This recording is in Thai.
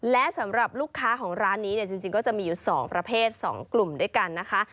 และสำหรับลูกค้าของร้านนี้เนี่ยจริงก็จะมีอยู่๒ประเภท๒กลุ่มด้วยกันนะคะ